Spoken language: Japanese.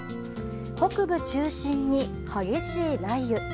北部中心に激しい雷雨。